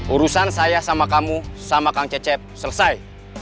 urusan saya sama kamu sama kang cecep selesai